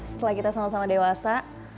setelah kita sama sama dewasa